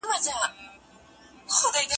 نن بیا رنجیت وتلی د اټک له دایرې نه